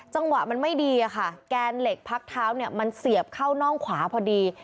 จังหวะมันไม่ดีอะค่ะแกนเหล็กพักเท้าเนี่ยมันเสียบเข้าน่องขวาพอดี